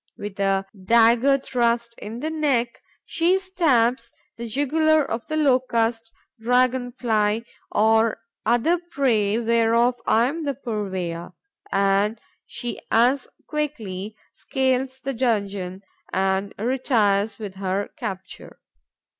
With a dagger thrust in the neck, she stabs the jugular of the Locust, Dragon fly or other prey whereof I am the purveyor; and she as quickly scales the donjon and retires with her capture.